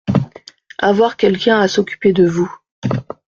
Avoir quelqu’un à s’occuper de vous.